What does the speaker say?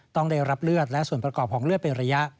ต้องได้รับเลือดและส่วนประกอบของเลือดเป็นระยะ